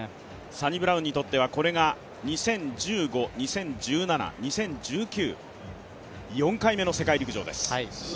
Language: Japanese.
サニブラウンにとってはこれが２０１５、２０１７、２０１９４回目の世界陸上です。